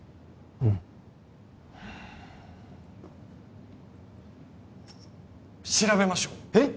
うん調べましょうえっ！？